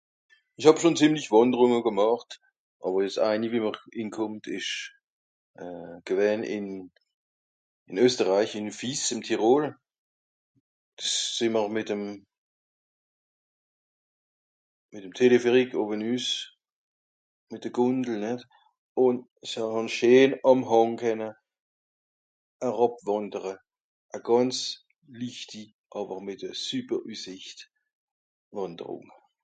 esch hàb schòn zìmlich wànderung gemàcht àwer jetz eini wiem'r inkòmmt esch euh gewänn ìn ìn Österreich in Fiss ìm Tirol sìn m'r mìt'm mìt'm Téléphérique owe nüss mìt de Gùndel nìtt ùn se hàn scheen àm hàng kenne eràb wàndere e gànz lichti àwer mìt e süper üssicht wànderung